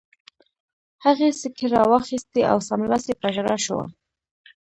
هغې سیکې را واخیستې او سملاسي په ژړا شوه